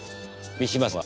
三島さん